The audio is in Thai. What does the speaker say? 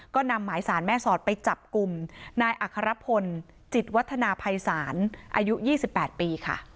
ก็นำหมายสารแม่สอดไปจับกลุ่มนายอัครพลจิตวัฒนาภัยศาลอายุ๒๘ปีค่ะ